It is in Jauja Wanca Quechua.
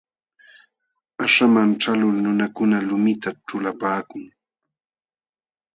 Qaśhaman ćhaqlul nunakuna lumita ćhulapaakun.